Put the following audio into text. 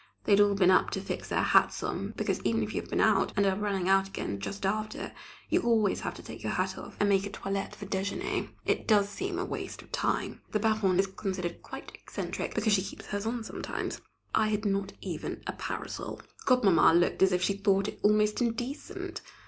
They had all been up to fix their hats on, because even if you have been out, and are running out again just after, you always have to take your hat off, and make a toilette for déjeûner; it does seem waste of time. The Baronne is considered quite eccentric because she keeps hers on sometimes. I had not even a parasol. Godmamma looked as if she thought it almost indecent.